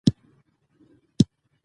هومره یوازیتوب ورته زندۍ اچوله.